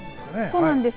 そうなんです。